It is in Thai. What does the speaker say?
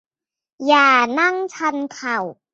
อย่านั่งชันเข่า